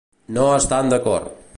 No estan d'acord.